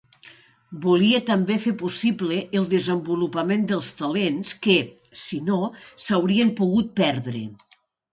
Volia també fer possible el desenvolupament dels talents que, si no, s'haurien pogut perdre.